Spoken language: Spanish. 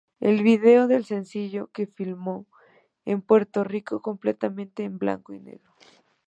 El vídeo del sencillo de filmó en Puerto Rico, completamente en blanco y negro.